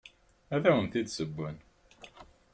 Ad awent-d-ssewwen.